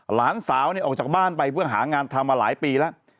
หลานสาวออกจากบ้านไปเพื่อหางานทำมาหลายปีแล้ว